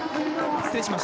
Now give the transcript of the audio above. ◆失礼しました。